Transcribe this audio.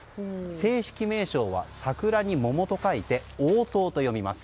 正式名称は桜に桃と書いておうとうと読みます。